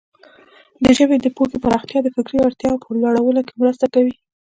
د ژبې د پوهې پراختیا د فکري وړتیاوو په لوړولو کې مرسته کوي.